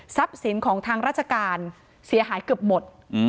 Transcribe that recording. สินของทางราชการเสียหายเกือบหมด